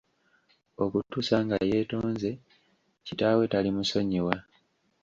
Okutuusa nga yeetonze kitaawe talimusonyiwa.